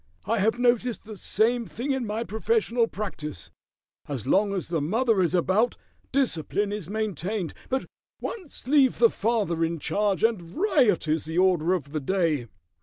"I have noticed the same thing in my professional practice. As long as the mother is about discipline is maintained, but once leave the father in charge and riot is the order of the day."